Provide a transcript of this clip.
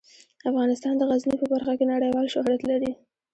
افغانستان د غزني په برخه کې نړیوال شهرت لري.